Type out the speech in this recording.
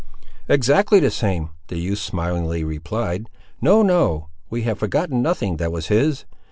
"Exactly the same," the youth smilingly replied. "No, no, we have forgotten nothing that was his.